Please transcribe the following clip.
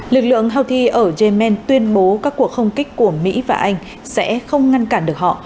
lực lượng houthi ở yemen tuyên bố các cuộc không kích của mỹ và anh sẽ không ngăn cản được họ